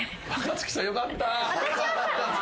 よかった。